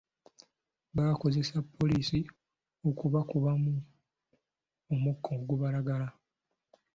Bakozesa poliisi okubakubamu omukka ogubalagala.